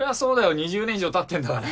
２０年以上経ってんだから。